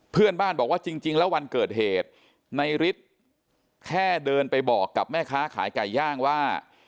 เพื่อนบ้านบอกว่าจริงแล้ววันเกิดเหตุในฤทธิ์แค่เดินไปบอกกับแม่ค้าขายไก่ย่างว่า